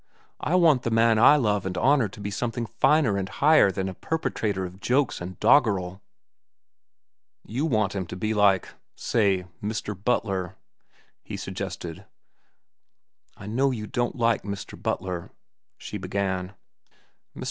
I want the man I love and honor to be something finer and higher than a perpetrator of jokes and doggerel." "You want him to be like—say Mr. Butler?" he suggested. "I know you don't like Mr. Butler," she began. "Mr.